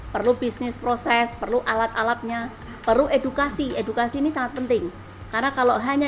perlu bisnis proses perlu alat alatnya perlu edukasi edukasi ini sangat penting karena kalau hanya